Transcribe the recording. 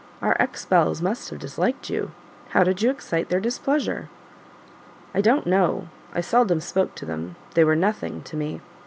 Our X belles must have disliked you. How did you excite their displeasure?" "I don't know. I seldom spoke to them they were nothing to me.